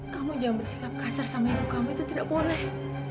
kamu jangan bersikap kasar sama ibu kamu itu tidak boleh